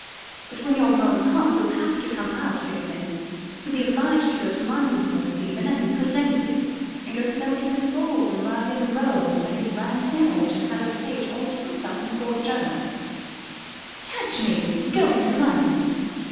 "But when you're grown up you'll have to come out, Vixen. You'll be obliged to go to London for a season, and be presented, and go to no end of balls, and ride in the Row, and make a grand marriage, and have a page all to yourself in the Court Journal." "Catch me going to London!"